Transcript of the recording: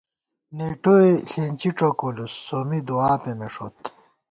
نېٹوئےݪېنچی ڄوکولُوس ، سومّی دعا پېمېݭوت